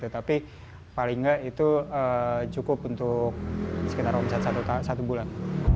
tapi paling enggak itu cukup untuk sekitar satu bulan